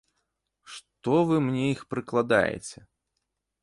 Што вы мне іх прыкладаеце?